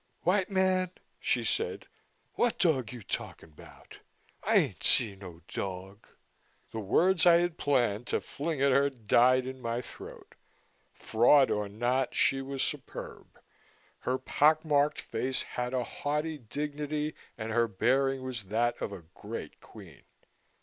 "White man," she said. "What dog you talkin' about? I ain't seen no dog." The words I had planned to fling at her died in my throat. Fraud or not, she was superb. Her pock marked face had a haughty dignity and her bearing was that of a great queen.